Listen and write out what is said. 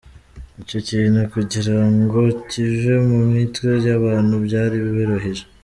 Icyo kintu kugira ngo kive mu mitwe y’abantu byari biruhije.